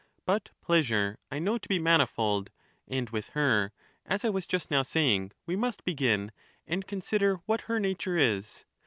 But Pleasure I know to be manifold, and with her, as I was just now saying, we must begin, and consider what her nature is.